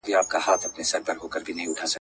پخواني قاضیان بهر ته د سفر ازادي نه لري.